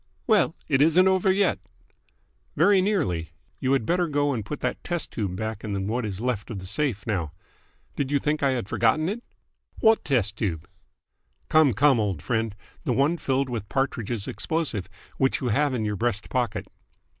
"Well, it isn't over yet." "Very nearly. You had better go and put that test tube back in what is left of the safe now. Did you think I had forgotten it?" "What test tube?" "Come, come, old friend! The one filled with Partridge's explosive, which you have in your breast pocket."